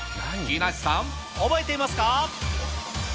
木梨さん、覚えていますか？